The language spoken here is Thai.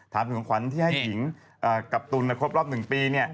ถามถึงของขวัญที่ให้หญิงกับตุ๋นครบรอบหนึ่งปี